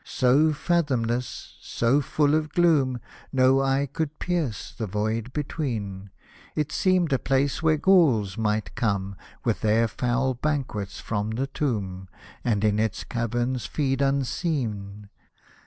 So fathomless, so full of gloom. No eye could pierce the void between : It seemed a place where Gholes might come With their foul banquets from the tomb, And in its caverns feed unseen.